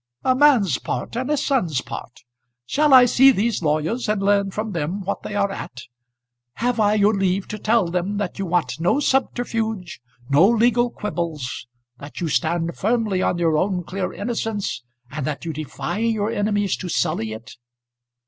"A man's part, and a son's part. Shall I see these lawyers and learn from them what they are at? Have I your leave to tell them that you want no subterfuge, no legal quibbles, that you stand firmly on your own clear innocence, and that you defy your enemies to sully it?